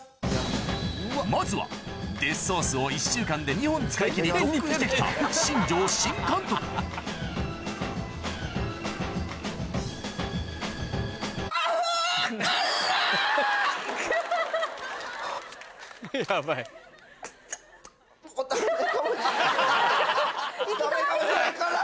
まずはデスソースを１週間で２本使い切り特訓して来た新庄新監督息止まりそう！